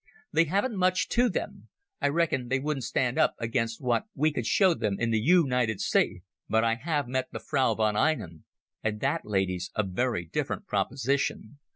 They haven't much to them. I reckon they wouldn't stand up against what we could show them in the U nited States. But I have met the Frau von Einem, and that lady's a very different proposition.